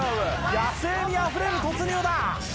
野性味あふれる突入だ！